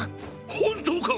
本当か！